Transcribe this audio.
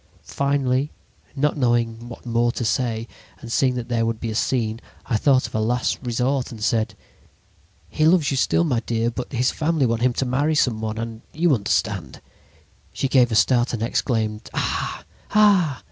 "Finally, not knowing what more to say, and seeing that there would be a scene, I thought of a last resort and said: "'He loves you still, my dear, but his family want him to marry some one, and you understand—' "She gave a start and exclaimed: "'Ah! Ah!